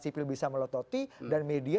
sipil bisa melototi dan media